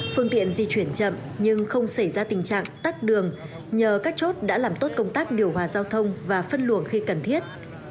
phương tiện di chuyển chậm nhưng không xảy ra tình trạng tắt đường nhờ các chốt đã làm tốt công tác điều hòa giao thông và phân luồng khi cần thiết